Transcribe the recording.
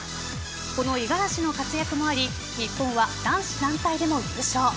この五十嵐の活躍もあり日本は男子団体でも優勝。